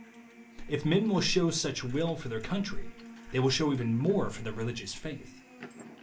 If men will show such will for their country, they will show even more for their religious faith.